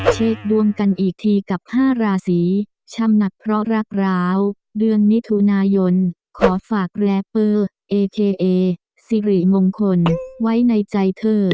เช็คดวงกันอีกทีกับ๕ราศีช่ำหนักเพราะรักร้าวเดือนมิถุนายนขอฝากแรเปอร์เอเคเอสิริมงคลไว้ในใจเธอ